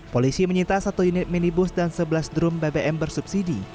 polisi menyita satu unit minibus dan sebelas drum bbm bersubsidi